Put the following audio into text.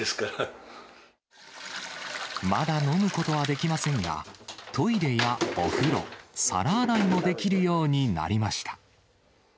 まだ飲むことはできませんが、トイレやお風呂、皿洗いもできるようになりました。